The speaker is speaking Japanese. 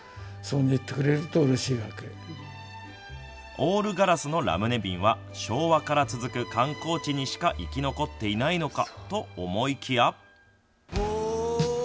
オールガラスのラムネ瓶は昭和から続く観光地にしか生き残っていないのかと思いきや。